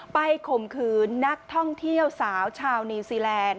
ข่มขืนนักท่องเที่ยวสาวชาวนิวซีแลนด์